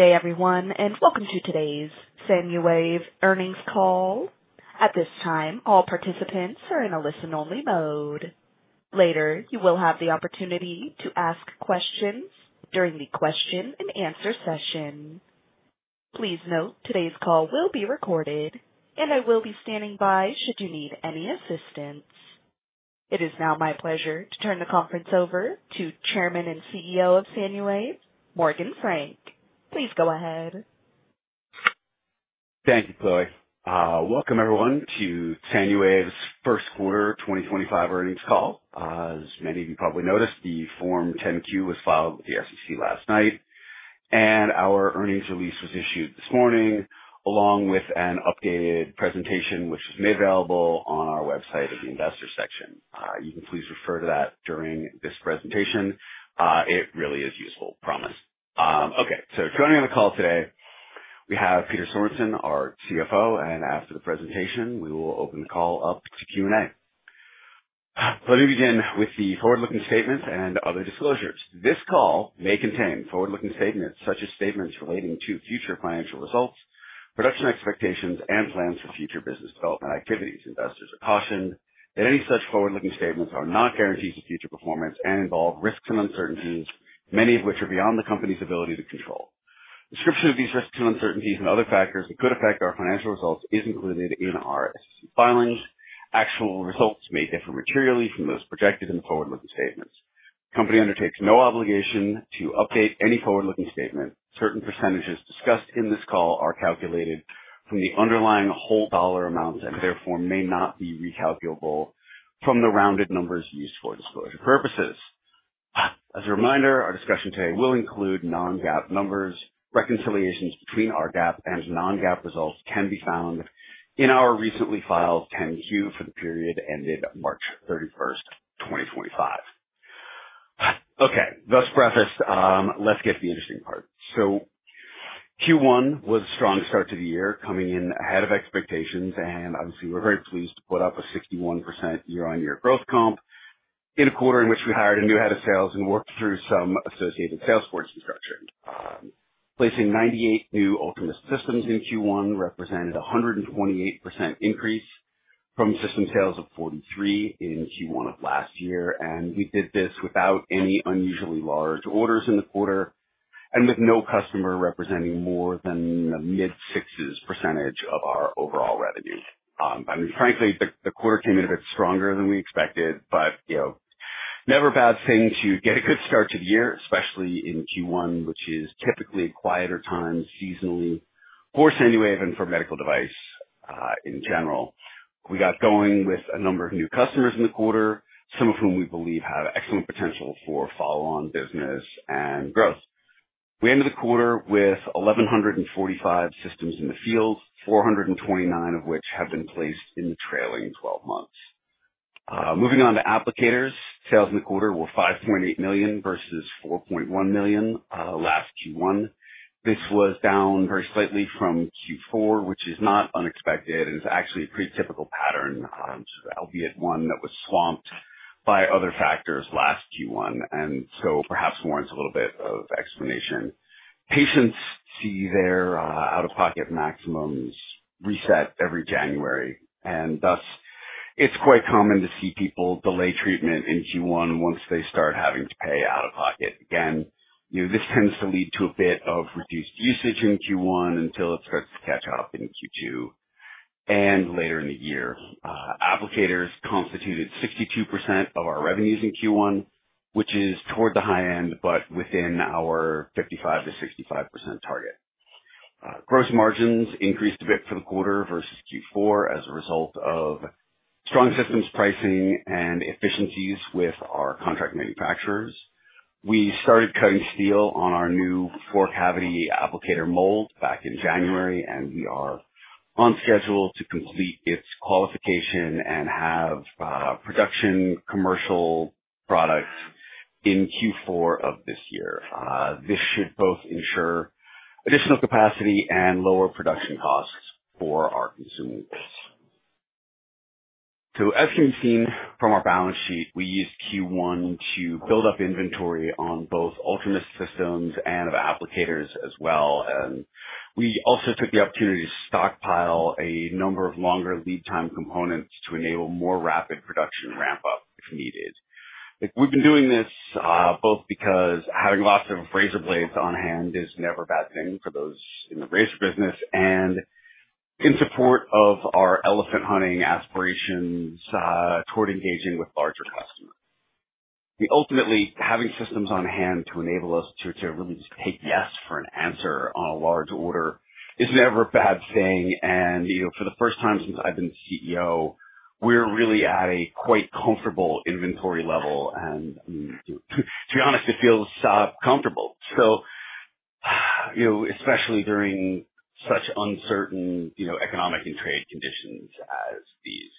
Good day, everyone, and welcome to today's SANUWAVE Earnings Call. At this time, all participants are in a listen-only mode. Later, you will have the opportunity to ask questions during the question-and-answer session. Please note, today's call will be recorded, and I will be standing by should you need any assistance. It is now my pleasure to turn the conference over to Chairman and CEO of SANUWAVE, Morgan Frank. Please go ahead. Thank you, Chloe. Welcome, everyone, to SANUWAVE's first quarter 2025 earnings call. As many of you probably noticed, the Form 10-Q was filed with the SEC last night, and our earnings release was issued this morning along with an updated presentation, which is made available on our website in the investor section. You can please refer to that during this presentation. It really is useful, promise. Okay, so joining on the call today, we have Peter Sorensen, our CFO, and after the presentation, we will open the call up to Q&A. Let me begin with the forward-looking statements and other disclosures. This call may contain forward-looking statements such as statements relating to future financial results, production expectations, and plans for future business development activities. Investors are cautioned that any such forward-looking statements are not guarantees of future performance and involve risks and uncertainties, many of which are beyond the company's ability to control. Description of these risks and uncertainties and other factors that could affect our financial results is included in our SEC filings. Actual results may differ materially from those projected in the forward-looking statements. The company undertakes no obligation to update any forward-looking statement. Certain percentages discussed in this call are calculated from the underlying whole dollar amounts and therefore may not be recalculable from the rounded numbers used for disclosure purposes. As a reminder, our discussion today will include non-GAAP numbers. Reconciliations between our GAAP and non-GAAP results can be found in our recently filed 10-Q for the period ended March 31st, 2025. Okay, thus prefaced, let's get to the interesting part. Q1 was a strong start to the year, coming in ahead of expectations, and obviously, we're very pleased to put up a 61% year-on-year growth comp in a quarter in which we hired a new Head of Sales and worked through some associated sales force restructuring. Placing 98 new Ultimus systems in Q1 represented a 128% increase from system sales of 43 in Q1 of last year, and we did this without any unusually large orders in the quarter and with no customer representing more than the mid-sixes percentage of our overall revenue. I mean, frankly, the quarter came in a bit stronger than we expected, but never a bad thing to get a good start to the year, especially in Q1, which is typically a quieter time seasonally for SANUWAVE and for medical device in general. We got going with a number of new customers in the quarter, some of whom we believe have excellent potential for follow-on business and growth. We ended the quarter with 1,145 systems in the field, 429 of which have been placed in the trailing 12 months. Moving on to applicators, sales in the quarter were $5.8 million versus $4.1 million last Q1. This was down very slightly from Q4, which is not unexpected and is actually a pretty typical pattern, albeit one that was swamped by other factors last Q1, and so perhaps warrants a little bit of explanation. Patients see their out-of-pocket maximums reset every January, and thus it's quite common to see people delay treatment in Q1 once they start having to pay out-of-pocket again. This tends to lead to a bit of reduced usage in Q1 until it starts to catch up in Q2 and later in the year. Applicators constituted 62% of our revenues in Q1, which is toward the high end but within our 55%-65% target. Gross margins increased a bit for the quarter versus Q4 as a result of strong systems pricing and efficiencies with our contract manufacturers. We started cutting steel on our new four-cavity applicator mold back in January, and we are on schedule to complete its qualification and have production commercial product in Q4 of this year. This should both ensure additional capacity and lower production costs for our consumers. As can be seen from our balance sheet, we used Q1 to build up inventory on both Ultimus systems and of applicators as well, and we also took the opportunity to stockpile a number of longer lead-time components to enable more rapid production ramp-up if needed. We've been doing this both because having lots of razor blades on hand is never a bad thing for those in the razor business and in support of our elephant-hunting aspirations toward engaging with larger customers. Ultimately, having systems on hand to enable us to really just take yes for an answer on a large order is never a bad thing, and for the first time since I've been the CEO, we're really at a quite comfortable inventory level, and to be honest, it feels comfortable. So, especially during such uncertain economic and trade conditions as these,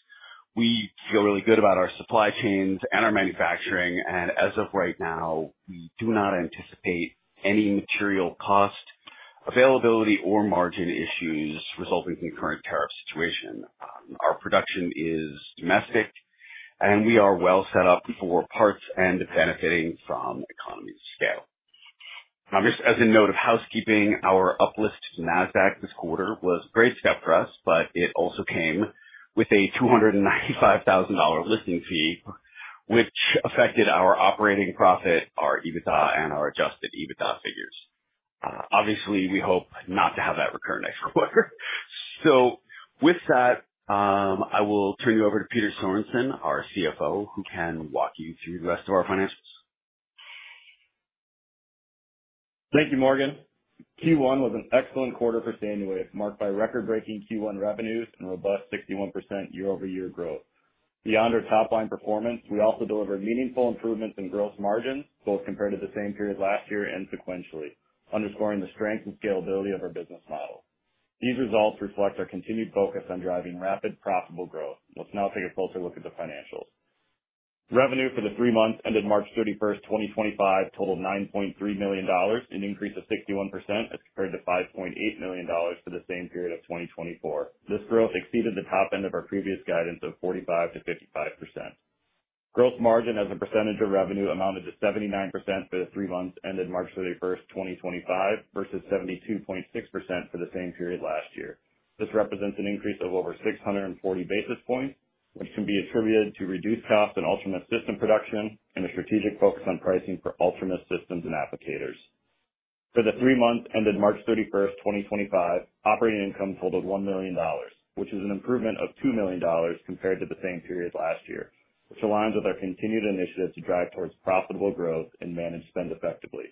we feel really good about our supply chains and our manufacturing, and as of right now, we do not anticipate any material cost, availability, or margin issues resulting from the current tariff situation. Our production is domestic, and we are well set up for parts and benefiting from economies of scale. Now, just as a note of housekeeping, our uplist to Nasdaq this quarter was a great step for us, but it also came with a $295,000 listing fee, which affected our operating profit, our EBITDA, and our adjusted EBITDA figures. Obviously, we hope not to have that recur next quarter. With that, I will turn you over to Peter Sorensen, our CFO, who can walk you through the rest of our financials. Thank you, Morgan. Q1 was an excellent quarter for SANUWAVE, marked by record-breaking Q1 revenues and robust 61% year-over-year growth. Beyond our top-line performance, we also delivered meaningful improvements in gross margins both compared to the same period last year and sequentially, underscoring the strength and scalability of our business model. These results reflect our continued focus on driving rapid, profitable growth. Let's now take a closer look at the financials. Revenue for the three months ended March 31st, 2025, totaled $9.3 million, an increase of 61% as compared to $5.8 million for the same period of 2024. This growth exceeded the top end of our previous guidance of 45-55%. Gross margin as a percentage of revenue amounted to 79% for the three months ended March 31, 2025, versus 72.6% for the same period last year. This represents an increase of over 640 basis points, which can be attributed to reduced costs in Ultimus system production and a strategic focus on pricing for Ultimus systems and applicators. For the three months ended March 31st, 2025, operating income totaled $1 million, which is an improvement of $2 million compared to the same period last year, which aligns with our continued initiative to drive towards profitable growth and manage spend effectively.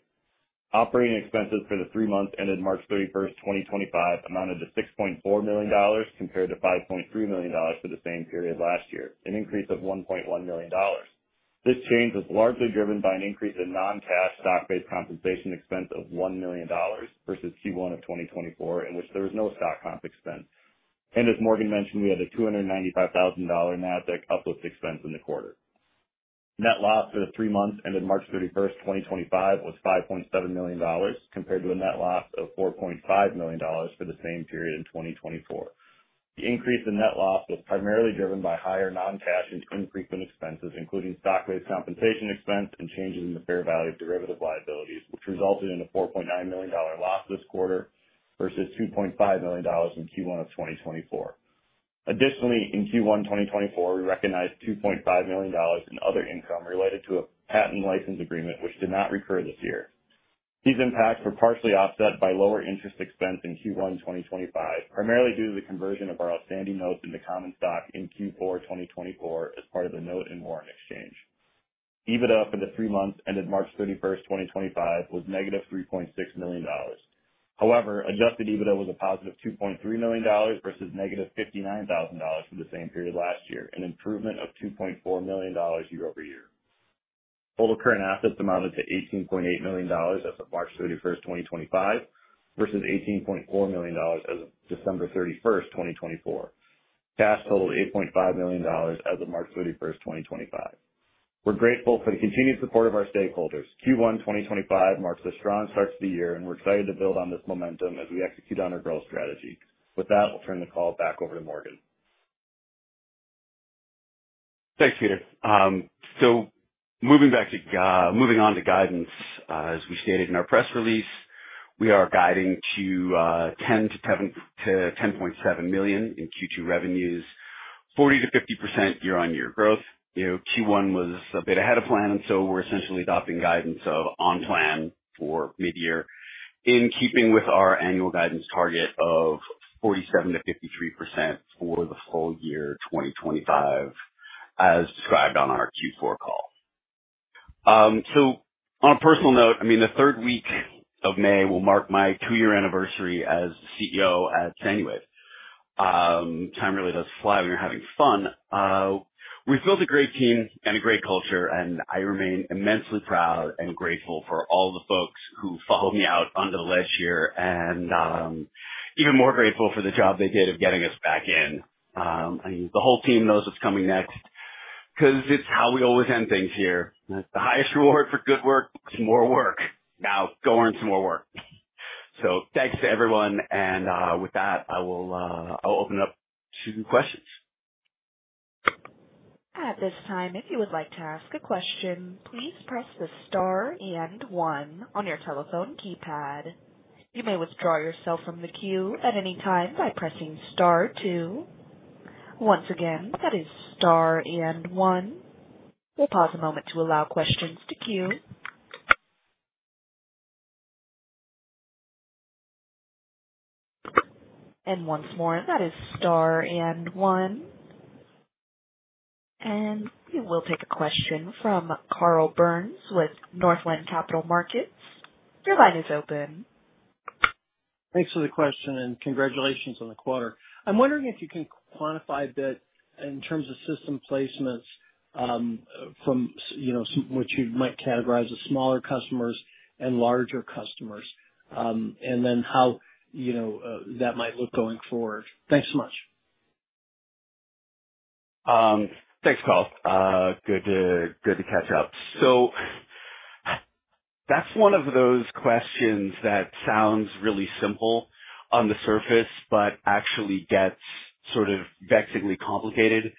Operating expenses for the three months ended March 31st, 2025, amounted to $6.4 million compared to $5.3 million for the same period last year, an increase of $1.1 million. This change was largely driven by an increase in non-cash stock-based compensation expense of $1 million versus Q1 of 2024, in which there was no stock comp expense. As Morgan mentioned, we had a $295,000 Nasdaq uplift expense in the quarter. Net loss for the three months ended March 31st, 2025, was $5.7 million compared to a net loss of $4.5 million for the same period in 2024. The increase in net loss was primarily driven by higher non-cash and infrequent expenses, including stock-based compensation expense and changes in the fair value of derivative liabilities, which resulted in a $4.9 million loss this quarter versus $2.5 million in Q1 of 2024. Additionally, in Q1 2024, we recognized $2.5 million in other income related to a patent license agreement, which did not recur this year. These impacts were partially offset by lower interest expense in Q1 2025, primarily due to the conversion of our outstanding notes into common stock in Q4 2024 as part of the note and warrant exchange. EBITDA for the three months ended March 31, 2025, was negative $3.6 million. However, adjusted EBITDA was a positive $2.3 million versus negative $59,000 for the same period last year, an improvement of $2.4 million year-over-year. Total current assets amounted to $18.8 million as of March 31st, 2025, versus $18.4 million as of December 31st, 2024. Cash totaled $8.5 million as of March 31st, 2025. We're grateful for the continued support of our stakeholders. Q1 2025 marks a strong start to the year, and we're excited to build on this momentum as we execute on our growth strategy. With that, I'll turn the call back over to Morgan. Thanks, Peter. Moving on to guidance, as we stated in our press release, we are guiding to $10 million-$10.7 million in Q2 revenues, 40%-50% year-on-year growth. Q1 was a bit ahead of plan, and we are essentially adopting guidance of on plan for mid-year in keeping with our annual guidance target of 47%-53% for the full year 2025, as described on our Q4 call. On a personal note, I mean, the third week of May will mark my two-year anniversary as CEO at SANUWAVE. Time really does fly when you're having fun. We've built a great team and a great culture, and I remain immensely proud and grateful for all the folks who followed me out under the ledge here and even more grateful for the job they did of getting us back in. The whole team knows what's coming next because it's how we always end things here. The highest reward for good work is more work. Now, go earn some more work. Thanks to everyone, and with that, I'll open it up to questions. At this time, if you would like to ask a question, please press the star and one on your telephone keypad. You may withdraw yourself from the queue at any time by pressing star two. Once again, that is star and one. We'll pause a moment to allow questions to queue. Once more, that is star and one. We will take a question from Carl Byrnes with Northland Capital Markets. Your line is open. Thanks for the question, and congratulations on the quarter. I'm wondering if you can quantify a bit in terms of system placements from what you might categorize as smaller customers and larger customers, and then how that might look going forward. Thanks so much. Thanks, Carl. Good to catch up. That's one of those questions that sounds really simple on the surface but actually gets sort of vexingly complicated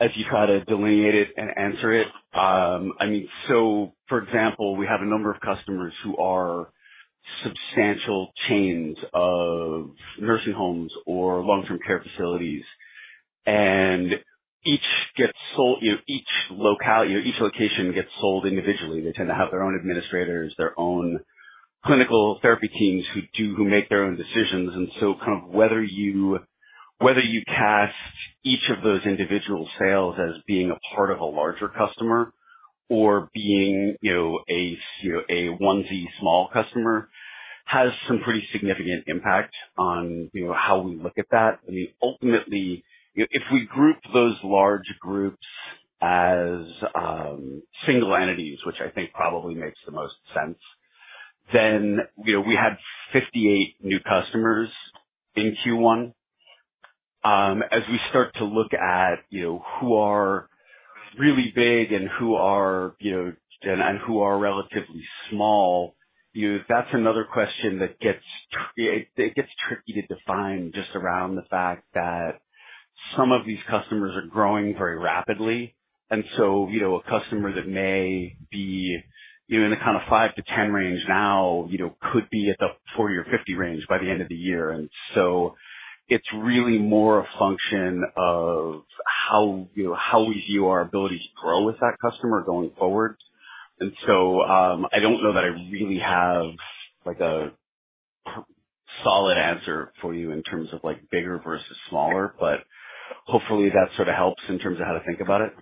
as you try to delineate it and answer it. I mean, for example, we have a number of customers who are substantial chains of nursing homes or long-term care facilities, and each location gets sold individually. They tend to have their own administrators, their own clinical therapy teams who make their own decisions. Kind of whether you cast each of those individual sales as being a part of a larger customer or being a one-off small customer has some pretty significant impact on how we look at that. Ultimately, if we group those large groups as single entities, which I think probably makes the most sense, then we had 58 new customers in Q1. As we start to look at who are really big and who are relatively small, that's another question that gets tricky to define just around the fact that some of these customers are growing very rapidly. A customer that may be in the kind of 5-10 range now could be at the 40-50 range by the end of the year. It is really more a function of how easy are our abilities to grow with that customer going forward. I do not know that I really have a solid answer for you in terms of bigger versus smaller, but hopefully, that sort of helps in terms of how to think about it.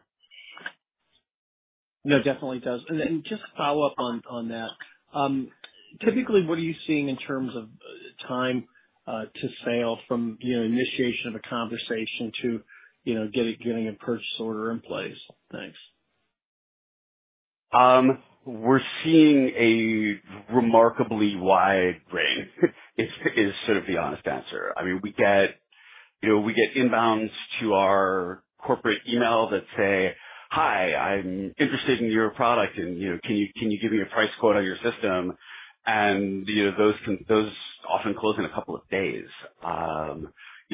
No, definitely does. Just to follow up on that, typically, what are you seeing in terms of time to sale from initiation of a conversation to getting a purchase order in place? Thanks. We're seeing a remarkably wide range, is sort of the honest answer. I mean, we get inbounds to our corporate email that say, "Hi, I'm interested in your product, and can you give me a price quote on your system?" And those often close in a couple of days.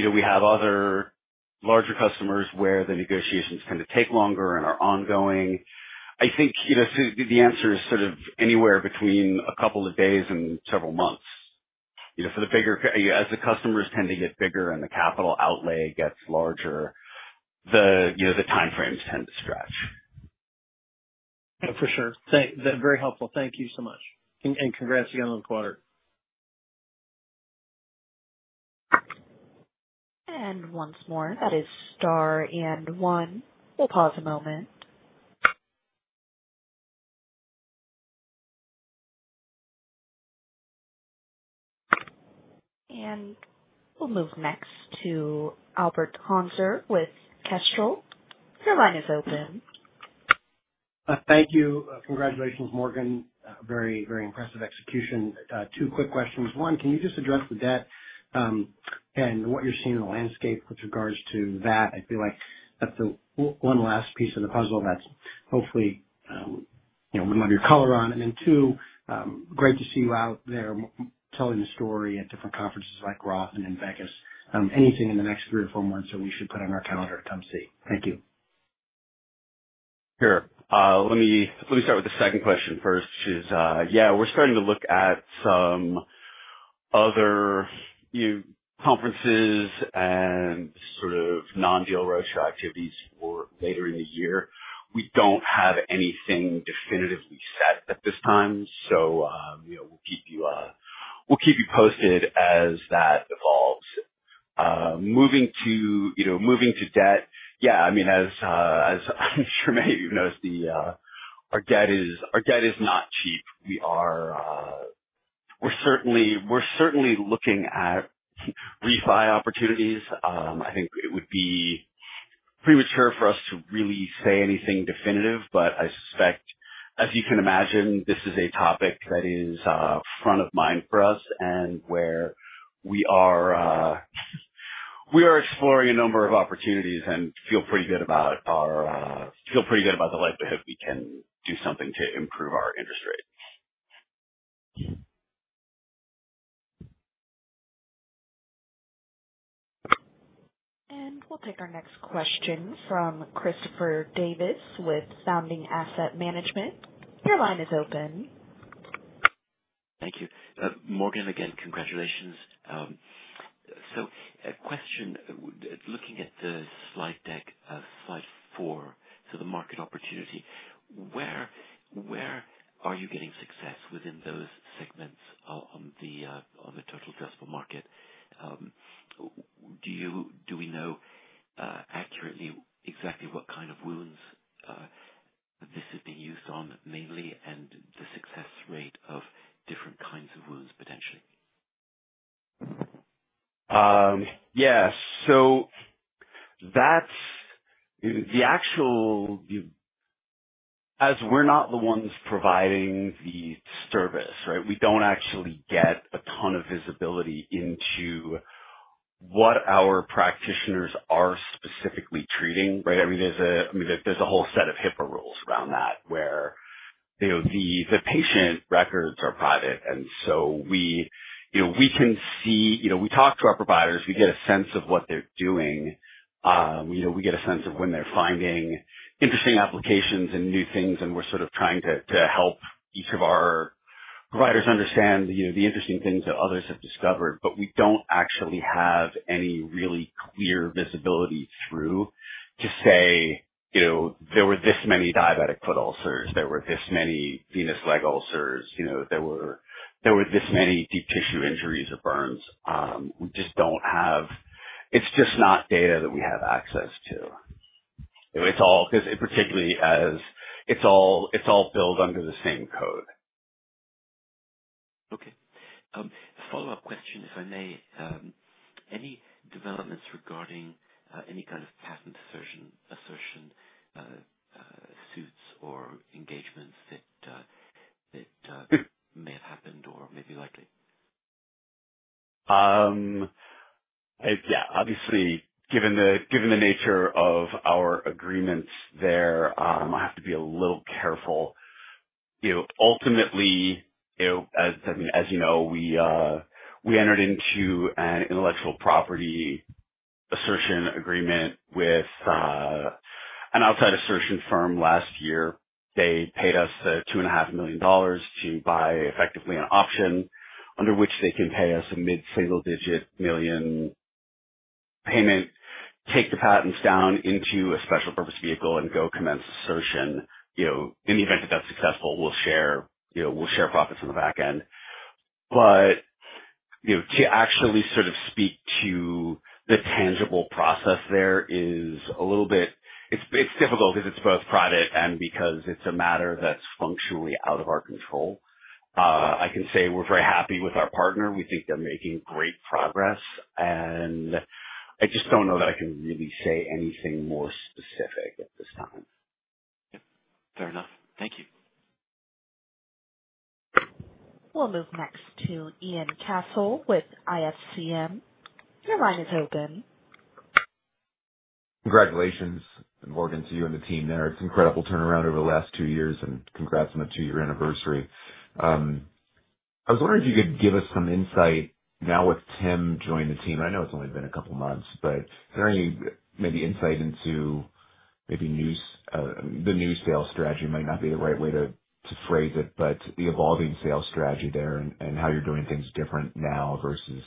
We have other larger customers where the negotiations tend to take longer and are ongoing. I think the answer is sort of anywhere between a couple of days and several months. For the bigger, as the customers tend to get bigger and the capital outlay gets larger, the time frames tend to stretch. For sure. Very helpful. Thank you so much. Congrats again on the quarter. Once more, that is star and one. We'll pause a moment. We'll move next to Albert Hanser with Kestrel. Your line is open. Thank you. Congratulations, Morgan. Very, very impressive execution. Two quick questions. One, can you just address the debt and what you're seeing in the landscape with regards to that? I feel like that's the one last piece of the puzzle that hopefully we'd love your color on. Two, great to see you out there telling the story at different conferences like Roth and Invecus. Anything in the next three or four months that we should put on our calendar to come see. Thank you. Sure. Let me start with the second question first, which is, yeah, we're starting to look at some other conferences and sort of non-deal roadshow activities for later in the year. We don't have anything definitively set at this time, so we'll keep you posted as that evolves. Moving to debt, yeah, I mean, as I'm sure many of you have noticed, our debt is not cheap. We're certainly looking at refi opportunities. I think it would be premature for us to really say anything definitive, but I suspect, as you can imagine, this is a topic that is front of mind for us and where we are exploring a number of opportunities and feel pretty good about the likelihood we can do something to improve our interest rate. We will take our next question from Christopher Davis with Founding Asset Management. Your line is open. Thank you. Morgan, again, congratulations. A question, looking at the slide deck, slide four, the market opportunity, where are you getting success within those segments on the total addressable market? Do we know accurately exactly what kind of wounds this is being used on mainly and the success rate of different kinds of wounds potentially? Yeah. So the actual, as we're not the ones providing the service, right, we don't actually get a ton of visibility into what our practitioners are specifically treating, right? I mean, there's a whole set of HIPAA rules around that where the patient records are private, and so we can see we talk to our providers. We get a sense of what they're doing. We get a sense of when they're finding interesting applications and new things, and we're sort of trying to help each of our providers understand the interesting things that others have discovered, but we don't actually have any really clear visibility through to say there were this many diabetic foot ulcers, there were this many venous leg ulcers, there were this many deep tissue injuries or burns. We just don't have it's just not data that we have access to. It's all because, particularly, it's all billed under the same code. Okay. A follow-up question, if I may. Any developments regarding any kind of patent assertion suits or engagements that may have happened or may be likely? Yeah. Obviously, given the nature of our agreements there, I have to be a little careful. Ultimately, as you know, we entered into an intellectual property assertion agreement with an outside assertion firm last year. They paid us $2.5 million to buy effectively an option under which they can pay us a mid-single-digit million payment, take the patents down into a special purpose vehicle, and go commence assertion. In the event that that's successful, we'll share profits on the back end. To actually sort of speak to the tangible process there is a little bit, it's difficult because it's both private and because it's a matter that's functionally out of our control. I can say we're very happy with our partner. We think they're making great progress, and I just don't know that I can really say anything more specific at this time. Fair enough. Thank you. We'll move next to Ian Cassel with IFCM. Your line is open. Congratulations, Morgan, to you and the team there. It's an incredible turnaround over the last two years, and congrats on the two-year anniversary. I was wondering if you could give us some insight now with Tim joining the team. I know it's only been a couple of months, but is there any maybe insight into maybe the new sales strategy? It might not be the right way to phrase it, but the evolving sales strategy there and how you're doing things different now versus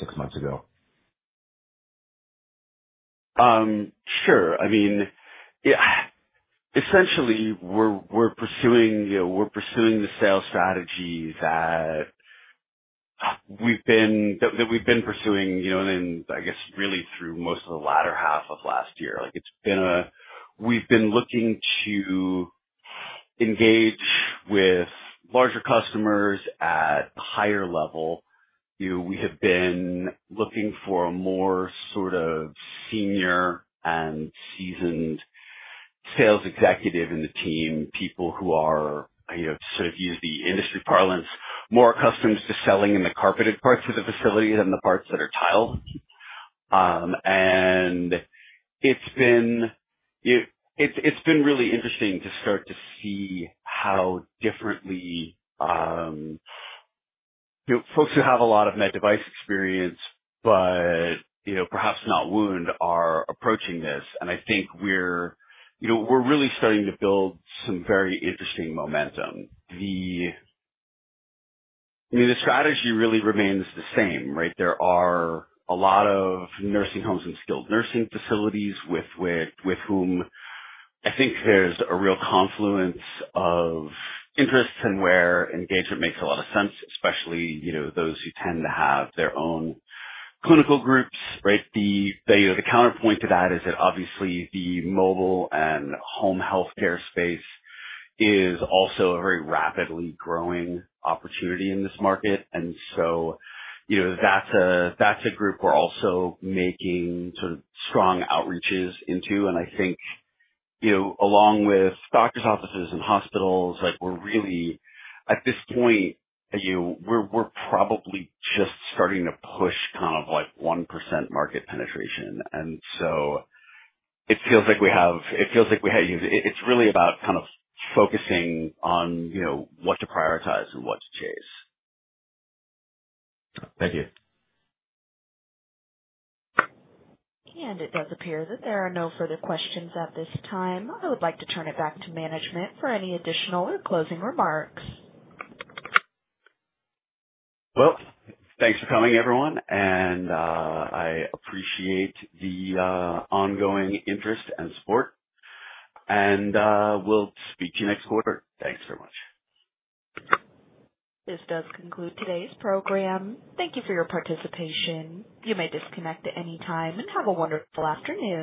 six months ago? Sure. I mean, essentially, we're pursuing the sales strategy that we've been pursuing in, I guess, really through most of the latter half of last year. We've been looking to engage with larger customers at a higher level. We have been looking for a more sort of senior and seasoned sales executive in the team, people who are sort of used to the industry parlance, more accustomed to selling in the carpeted parts of the facility than the parts that are tiled. It's been really interesting to start to see how differently folks who have a lot of med device experience but perhaps not wound are approaching this. I think we're really starting to build some very interesting momentum. I mean, the strategy really remains the same, right? There are a lot of nursing homes and skilled nursing facilities with whom I think there is a real confluence of interests and where engagement makes a lot of sense, especially those who tend to have their own clinical groups, right? The counterpoint to that is that obviously the mobile and home healthcare space is also a very rapidly growing opportunity in this market. That is a group we are also making sort of strong outreaches into. I think along with doctor's offices and hospitals, we are really, at this point, probably just starting to push kind of 1% market penetration. It feels like we have, it feels like we have, it is really about kind of focusing on what to prioritize and what to chase. Thank you. It does appear that there are no further questions at this time. I would like to turn it back to management for any additional or closing remarks. Thanks for coming, everyone. I appreciate the ongoing interest and support. We'll speak to you next quarter. Thanks very much. This does conclude today's program. Thank you for your participation. You may disconnect at any time and have a wonderful afternoon.